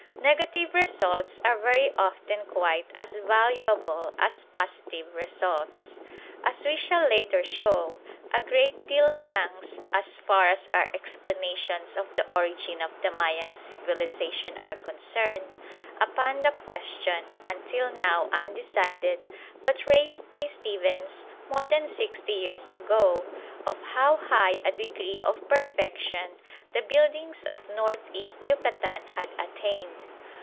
Negative results are very often quite as valuable as positive results. As we shall later show, a great deal hangs, as far as our explanations of the origin of the Mayan civilisation are concerned, upon the question, until now undecided but raised by Stephens more than sixty years ago, of how high a degree of perfection the buildings in North East Yucatan had attained.